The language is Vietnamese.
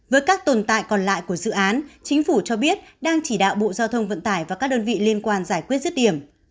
với các tồn tại còn lại của dự án chính phủ cho biết đang chỉ đạo bộ giao thông vận tải và các đơn vị liên quan giải quyết rứt điểm